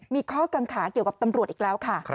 มีข้อกังขาเกี่ยวกับตำรวจอีกแล้วค่ะ